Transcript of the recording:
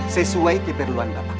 sesuai keperluan bapak